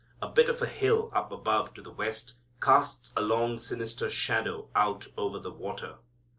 A bit of a hill up above to the west casts a long sinister shadow out over the water.